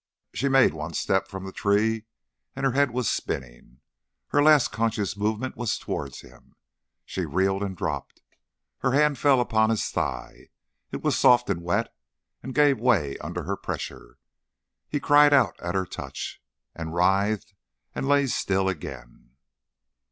She made one step from the tree, and her head was spinning. Her last conscious movement was towards him. She reeled, and dropped. Her hand fell upon his thigh. It was soft and wet, and gave way under her pressure; he cried out at her touch, and writhed and lay still again.